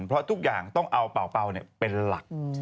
เพราะทุกอย่างต้องเอาเป่าเป็นหลัก